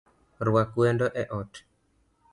Rwak wendo e ot